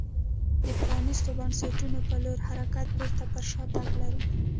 د پرانیستو بنسټونو په لور حرکت بېرته پر شا تګ لري.